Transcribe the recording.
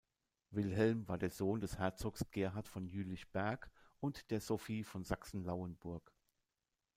Wilhelm war der Sohn des Herzogs Gerhard von Jülich-Berg und der Sophie von Sachsen-Lauenburg.